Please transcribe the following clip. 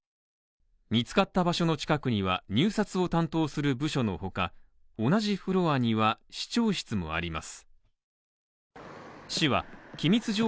見つかった場所の近くには入札を担当する部署の他、同じフロアには、市長室もあります。